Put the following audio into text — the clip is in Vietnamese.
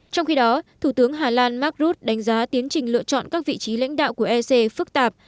trong khi đó thủ tướng hà lan mark rutte đánh giá tiến trình lựa chọn các vị trí lãnh đạo của ec phức tạp